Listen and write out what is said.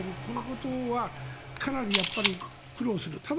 このことはかなり苦労する。